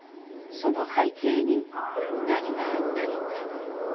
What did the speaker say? その背景に何があったのか。